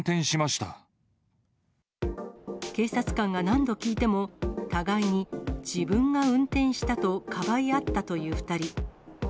警察官が何度聞いても、互いに自分が運転したとかばい合ったという２人。